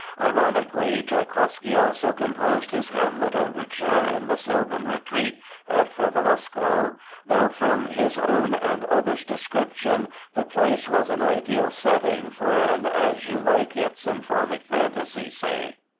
Ironically, Tschaikowsky also composed his Hamlet overture in the sylvan retreat at Frolovskoe, though from his own and others' descriptions, the place was an ideal setting for an As You Like It symphonic fantasy, say.